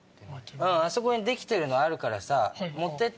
あそこにできてるのあるからさ持ってって。